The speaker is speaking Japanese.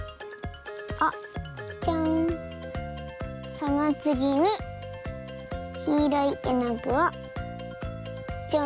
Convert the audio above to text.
そのつぎにきいろいえのぐをちょん。